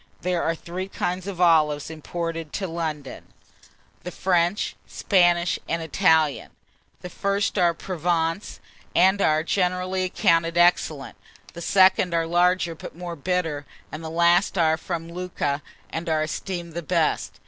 There are three kinds of olives imported to London, the French, Spanish, and Italian: the first are from Provence, and are generally accounted excellent; the second are larger, but more bitter; and the last are from Lucca, and are esteemed the best.